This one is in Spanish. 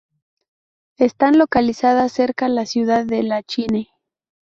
Están localizadas cerca la ciudad de Lachine.